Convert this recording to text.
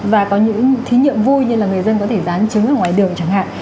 và có những thí nghiệm vui như là người dân có thể dán chứng ở ngoài đường chẳng hạn